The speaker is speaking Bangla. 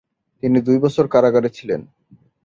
তিনি দুই বছর কারাগারে ছিলেন।